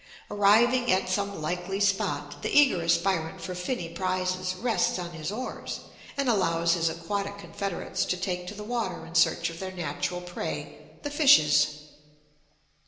Arriving at some likely spot the eager aspirant for finny prizes rests on his oars, and allows his aquatic confederates to take to the water in search of their natural prey, the fishes.